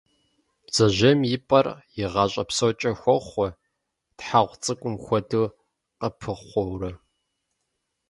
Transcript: Бдзэжьейм и пӏэр и гъащӏэ псокӏэ хохъуэ, тхьэгъу цӏыкӏум хуэдэу къыпыхъуэурэ.